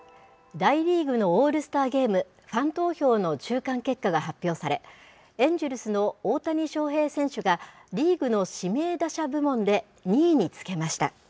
大リーグのオールスターゲーム、ファン投票の中間結果が発表され、エンジェルスの大谷翔平選手が、リーグの指名打者部門で２位につけました。